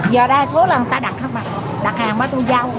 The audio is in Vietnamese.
giờ đa số là người ta đặt thôi mà đặt hàng bán tôi giao